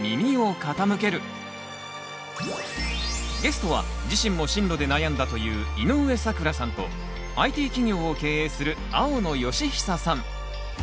ゲストは自身も進路で悩んだという井上咲楽さんとＩＴ企業を経営する青野慶久さん。